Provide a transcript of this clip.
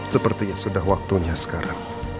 sepertinya sudah waktunya sekarang